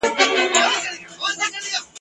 تاریخ د ملتونو یادونه ساتي.